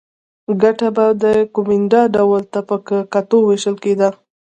ګټه به د کومېندا ډول ته په کتو وېشل کېده.